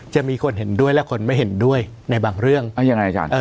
จะมีคนเห็นด้วยและคนไม่เห็นด้วยในบางเรื่องยังไงอาจารย์